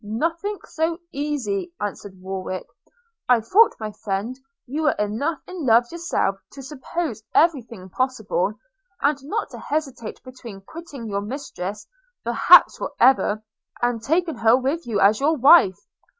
' 'Nothing so easy,' answered Warwick; 'I thought, my friend, you were enough in love yourself to suppose every thing possible, and not to hesitate between quitting your mistress, perhaps for ever, and taking her with you as your wife.